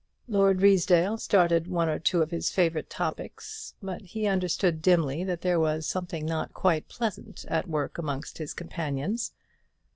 Lord Ruysdale started one or two of his favourite topics; but he understood dimly that there was something not quite pleasant at work amongst his companions.